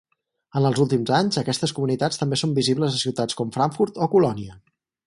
En els últims anys aquestes comunitats també són visibles a ciutats com Frankfurt o Colònia.